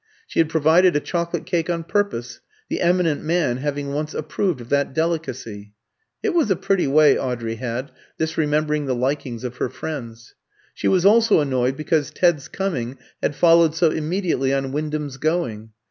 She had provided a chocolate cake on purpose, the eminent man having once approved of that delicacy. (It was a pretty way Audrey had, this remembering the likings of her friends.) She was also annoyed because Ted's coming had followed so immediately on Wyndham's going.